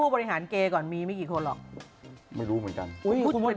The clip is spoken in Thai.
บ๊อบไบ้ไมจะนะครับ